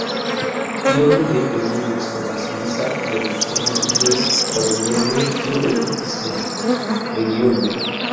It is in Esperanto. Tion ne toleris la Svisa Ĵurkomunumo, kiu okupis la regionon.